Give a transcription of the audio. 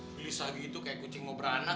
beli sagi itu kayak kucing mau beranak